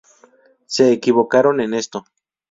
Se equivocaron en esto.